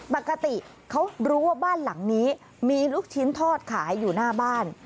ปกติเขารู้ว่าบ้านหลังนี้มีลูกชิ้นทอดขายอยู่หน้าบ้าน